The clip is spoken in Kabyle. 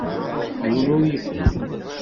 Yiwen ur yefhim.